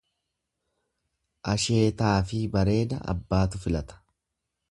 Asheetaafi bareeda abbaatu filata.